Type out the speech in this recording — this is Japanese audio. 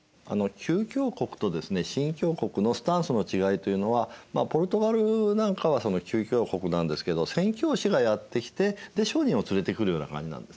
旧教国とですね新教国のスタンスの違いというのはポルトガルなんかはその旧教国なんですけど宣教師がやって来てで商人を連れてくるような感じなんですね。